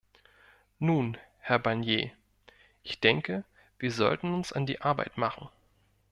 Nun, Herr Barnier, ich denke, wir sollten uns an die Arbeit machen.